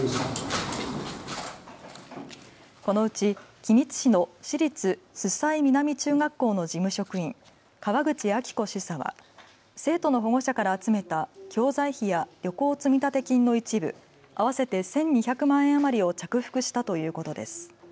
このうち君津市の市立周西南中学校の事務職員、川口晶子主査は生徒の保護者から集めた教材費や旅行積立金の一部合わせて１２００万円余りを着服したということです。